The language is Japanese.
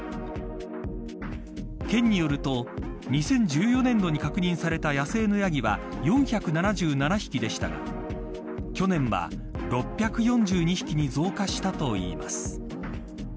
県によると、２０１４年度に確認された野生のヤギは４７７匹でしたが去年は６４２匹に増加したといいます。